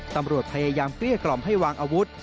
ตำรวจพยายามเกลี้ยกล่อมให้วางอาวุธ